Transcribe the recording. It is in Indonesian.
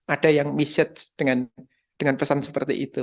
ada yang message dengan pesan seperti itu